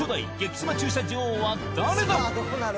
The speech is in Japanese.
セマ駐車女王は誰だ？